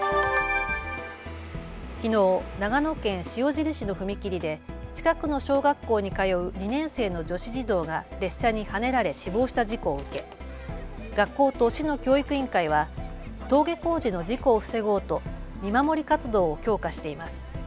きのう長野県塩尻市の踏切で近くの小学校に通う２年生の女子児童が列車にはねられ死亡した事故を受け、学校と市の教育委員会は登下校時の事故を防ごうと見守り活動を強化しています。